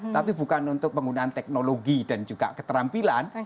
tapi bukan untuk penggunaan teknologi dan juga keterampilan